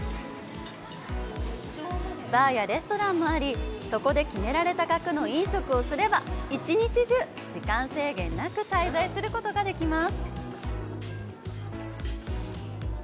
バーやレストランもあり、そこで決められた額の飲食をすれば１日中、時間制限なく滞在することができるます。